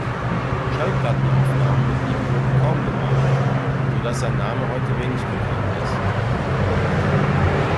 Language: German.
Schallplattenaufnahmen mit ihm wurden kaum gemacht, so dass sein Name heute wenig bekannt ist.